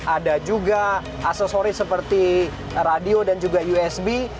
ada juga aksesoris seperti radio dan juga usb